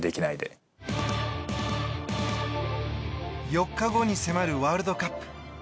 ４日後に迫るワールドカップ。